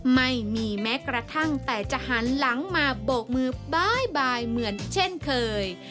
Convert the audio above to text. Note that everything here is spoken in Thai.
ไม่มีแม้กระทั่งแต่จะหันหลังมาโบกมือบ๊ายบายเหมือนเช่นเคย